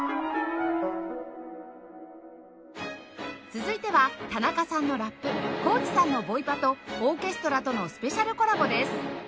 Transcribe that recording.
続いては田中さんのラップ地さんのボイパとオーケストラとのスペシャルコラボです